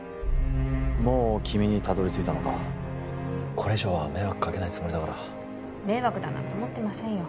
もう君にたどり着いたのかこれ以上は迷惑かけないつもりだから迷惑だなんて思ってませんよ